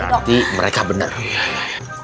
jangan jangan mereka tidak melakukan